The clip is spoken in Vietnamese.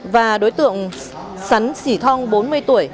và đối tượng sắn sỉ thong bốn mươi tuổi